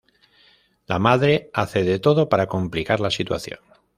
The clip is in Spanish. La madre hace de todo para complicar la situación.